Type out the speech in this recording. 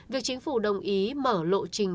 việc chính phủ đồng ý mở lộ trình thiết